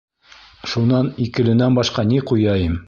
Шунан «икеле»нән башҡа ни ҡуяйым!